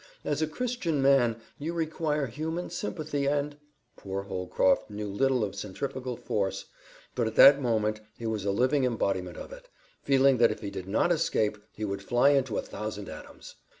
As a Christian man, you require human sympathy and " Poor Holcroft knew little of centrifugal force; but at that moment he was a living embodiment of it, feeling that if he did not escape he would fly into a thousand atoms.